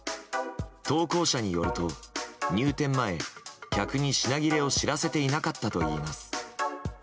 投稿者によると入店前、客に品切れを知らせていなかったといいます。